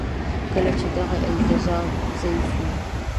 کله چې دغه التزام ضعیف وي.